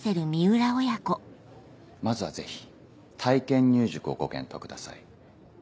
まずはぜひ体験入塾をご検討ください。